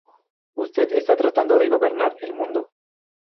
Usted está tratando de gobernar el mundo.